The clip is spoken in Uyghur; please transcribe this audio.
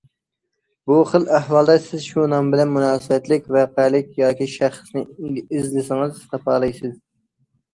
بۇ خىل ئەھۋالدا سىز شۇ نام بىلەن مۇناسىۋەتلىك ۋەقەلىك ياكى شەخسنى ئىزلىسىڭىز تاپالايسىز.